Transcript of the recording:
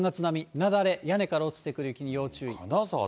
雪崩、屋根から落ちてくる雪に要注意。